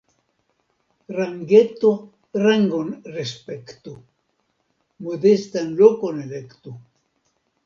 Rangeto rangon respektu, modestan lokon elektu.